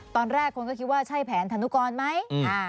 ตอนแรกคนก็คิดว่าใช่แผนธนุกรไหม